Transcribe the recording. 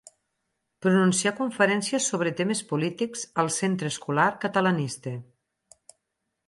Pronuncià conferències sobre temes polítics al Centre Escolar Catalanista.